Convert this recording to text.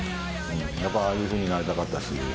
やっぱああいうふうになりたかったです。